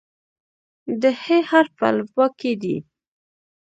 د "ح" حرف په الفبا کې دی.